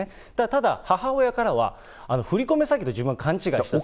ただ母親からは、振り込め詐欺と自分は勘違いしたと。